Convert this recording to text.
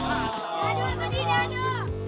aduh sedih aduh